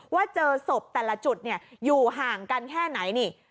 ว่าเจอศพแต่ละจุดอยู่ห่างกันแค่ไหนนี่